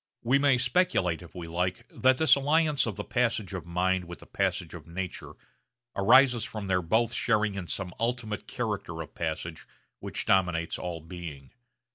We may speculate, if we like, that this alliance of the passage of mind with the passage of nature arises from their both sharing in some ultimate character of passage which dominates all being.